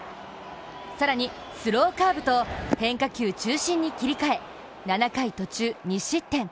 更にスローカーブと変化球中心に切り替え、７回途中２失点。